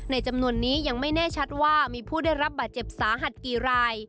จำนวนนี้ยังไม่แน่ชัดว่ามีผู้ได้รับบาดเจ็บสาหัสกี่ราย